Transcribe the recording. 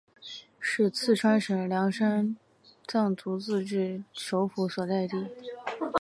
是四川省凉山彝族自治州首府所在地。